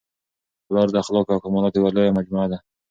پلار د اخلاقو او کمالاتو یوه لویه مجموعه ده.